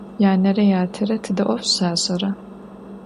Yanere yatere tıde 'of şaş'era?